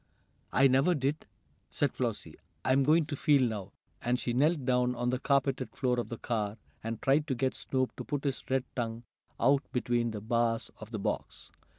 "I never did!" said Flossie. "I'm going to feel now," and she knelt down on the carpeted floor of the car, and tried to get Snoop to put his red tongue out between the bars of the box.